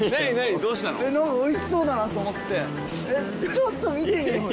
⁉ちょっと見てみようよ。